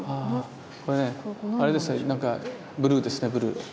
これねあれですねなんかブルーですねブルー。